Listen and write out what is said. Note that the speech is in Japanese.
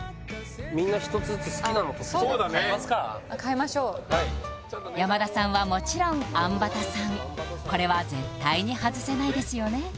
みんな１つずつ好きなの取ってそうだね買いますか買いましょう山田さんはもちろんあんバタサンこれは絶対に外せないですよね